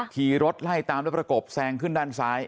ขี่รถไล่ตามแล้วประกบแซงขึ้นด้านซ้าย